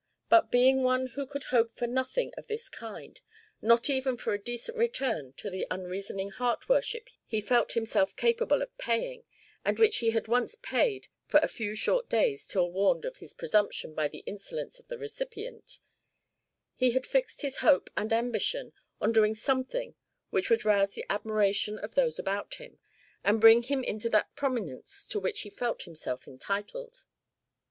But being one who could hope for nothing of this kind, not even for a decent return to the unreasoning heart worship he felt himself capable of paying, and which he had once paid for a few short days till warned of his presumption by the insolence of the recipient, he had fixed his hope and his ambition on doing something which would rouse the admiration of those about him and bring him into that prominence to which he felt himself entitled.